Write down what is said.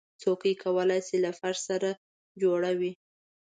چوکۍ کولی شي له فرش سره جوړه وي.